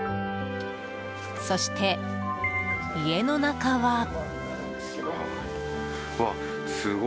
そして、家の中は。